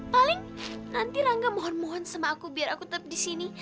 paling nanti rangga mohon mohon sama aku biar aku tetap di sini